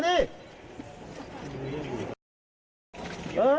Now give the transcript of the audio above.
เฮียเข้าไป